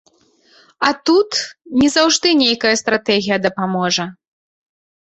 А тут не заўжды нейкая стратэгія дапаможа.